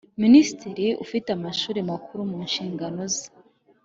Minisitiri ufite Amashuri Makuru mu nshingano ze